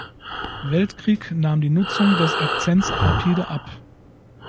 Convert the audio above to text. Weltkrieg nahm die Nutzung des Akzents rapide ab.